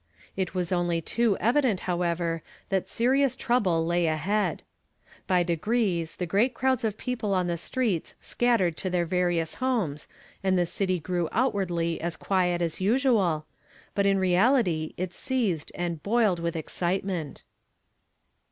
It was only too evident, however, that serious trouble lay ahead. By degrees the great crowds of people on the streets scattered to their various homes, and the city grew outwardly as quiet as usual, but in reality it seethed and boiled with excitement.